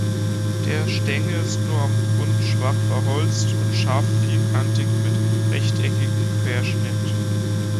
Der Stängel ist nur am Grund schwach verholzt und scharf vierkantig mit rechteckigem Querschnitt.